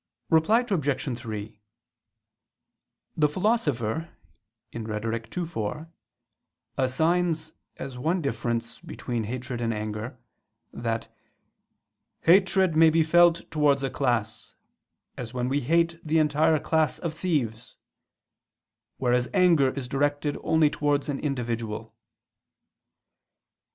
Reply Obj. 3: The Philosopher (Rhet. ii, 4) assigns as one difference between hatred and anger, that "hatred may be felt towards a class, as we hate the entire class of thieves; whereas anger is directed only towards an individual."